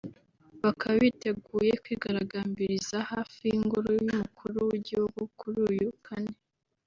bakaba biteguye kwigaragambiriza hafi y’ingoro y’umukuru w’igihugu kuri uyu kane